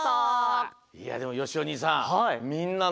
いやでもよしおにいさん。